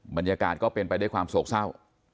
บรรยากาศก็เป็นไปด้วยความโศกเศร้า